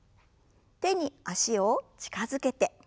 手に脚を近づけて。